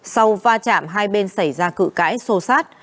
sau va chạm hai bên xảy ra cự cãi xô sát